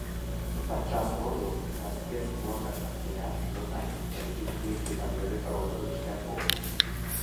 Падчас родаў хвасцец можа адхіляцца назад, павялічваючы памеры родавых шляхоў.